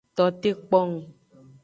Tote kpong.